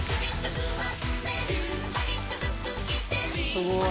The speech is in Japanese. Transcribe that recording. すごい。